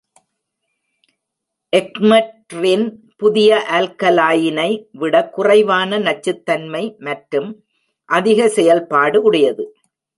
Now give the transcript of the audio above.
எர்கமெட்ரின் புதிய ஆல்கலாயினை விட குறைவான நச்சுத்தன்மை மற்றும் அதிக செயல்பாடு உடையது.